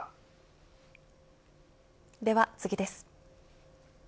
では次です。